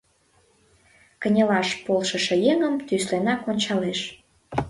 Кынелаш полшышо еҥым тӱсленак ончалеш.